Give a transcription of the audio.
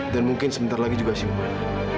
dan mungkin sebentar lagi juga simpan